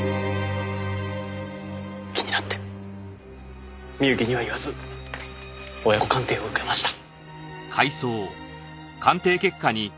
気になって深雪には言わず親子鑑定を受けました。